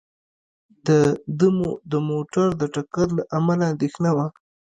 د ده د موټر د ټکر له امله اندېښنه وه.